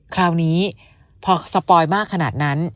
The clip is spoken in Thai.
คราวนี้พอสปอยมากขนาดนั้น